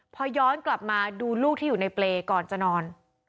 พอย้อนกลับมาดูลูกที่อยู่ในเปรย์ก่อนจะนอน